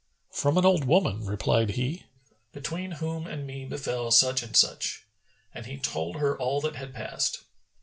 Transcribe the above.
"From an old woman," replied he, "between whom and me befel such and such;" and he told her all that had passed.